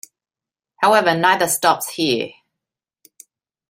However neither stops here.